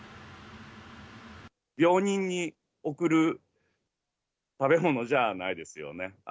病人に送る食べ物じゃないですよね。